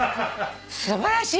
素晴らしい。